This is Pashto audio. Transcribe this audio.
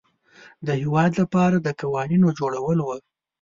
د هیواد لپاره د قوانینو جوړول وه.